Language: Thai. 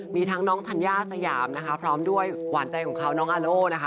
มีทั้งน้องธัญญาสยามนะคะพร้อมด้วยหวานใจของเขาน้องอาโล่นะคะ